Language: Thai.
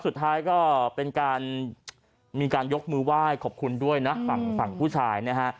สุดท้ายก็เป็นการมีการยกมือไหว้ขอบคุณด้วยนะฝั่งฝั่งผู้ชายนะฮะ